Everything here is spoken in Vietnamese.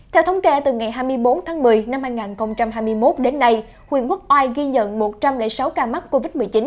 theo thống kê từ ngày hai mươi bốn tháng một mươi năm hai nghìn hai mươi một đến nay huyện quốc oai ghi nhận một trăm linh sáu ca mắc covid một mươi chín